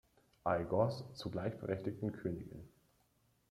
Aigos zu gleichberechtigten Königen.